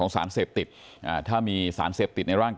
ครูจะฆ่าแม่ไม่รักตัวเอง